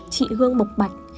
chị hương bộc bạch